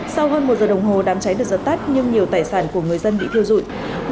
sau hơn một giờ đồng hồ đám cháy được giật tắt nhưng nhiều tài sản của người dân bị thiêu dụi